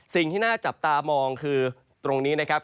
สิ่งที่น่าจับตามองคือตรงนี้นะครับ